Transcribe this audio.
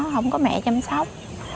không có mẹ chăm sóc